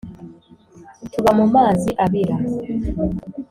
Tuba mu mazi abira